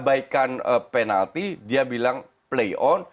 diabaikan penalti dia bilang play on